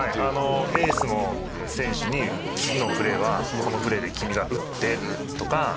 エースの選手に次のプレーはこのプレーで君が打って！とか。